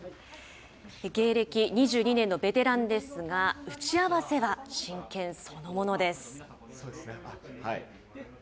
芸歴２２年のベテランですが、打ち合わせは真剣そのものです。